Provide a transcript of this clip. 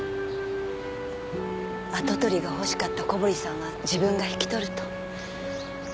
跡取りが欲しかった小堀さんは自分が引き取ると。